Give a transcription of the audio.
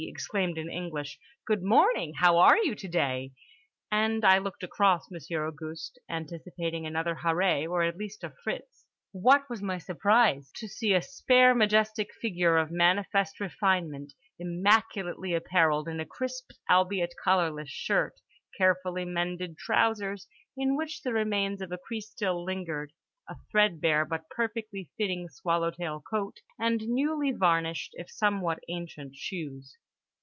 exclaimed in English "Good morning! How are you today?" And I looked across Monsieur Auguste, anticipating another Harree or at least a Fritz. What was my surprise to see a spare majestic figure of manifest refinement, immaculately apparelled in a crisp albeit collarless shirt, carefully mended trousers in which the remains of a crease still lingered, a threadbare but perfectly fitting swallow tail coat, and newly varnished (if somewhat ancient) shoes.